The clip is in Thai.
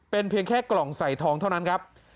เป็นเพียงแค่กล่องใส่ทองเท่านั้นครับ